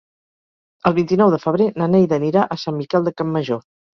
El vint-i-nou de febrer na Neida anirà a Sant Miquel de Campmajor.